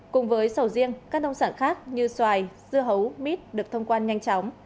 cùng với sầu riêng các nông sản khác như xoài dưa hấu mít được thông quan nhanh chóng